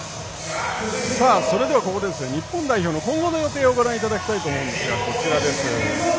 それではここで日本代表の今後の予定をご覧いただきたいと思います。